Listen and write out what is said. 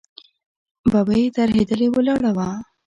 ببۍ ترهېدلې ولاړه وه.